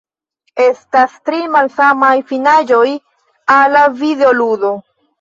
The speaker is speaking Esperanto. Estas tri malsamaj finaĵoj al la videoludo.